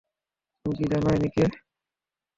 তুমি কী জান, ইনি কে?